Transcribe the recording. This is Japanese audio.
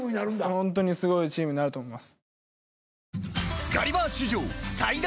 ほんとにすごいチームになると思います。